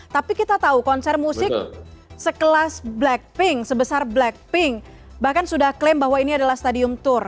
tapi kita tahu konser musik sekelas blackpink sebesar blackpink bahkan sudah klaim bahwa ini adalah stadium tour